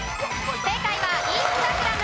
正解はインスタグラム。